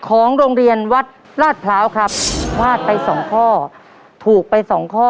ของโรงเรียนวัดลาดพร้าวครับพลาดไปสองข้อถูกไปสองข้อ